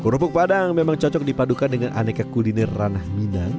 kerupuk padang memang cocok dipadukan dengan aneka kuliner ranah minang